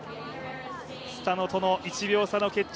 スタノとの１秒差の決着。